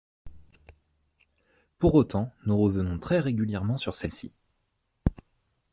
Pour autant, nous revenons très régulièrement sur celle-ci.